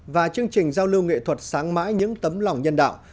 và chương trình giao lưu nghệ thuật sáng mãi những tấm lòng nhân đạo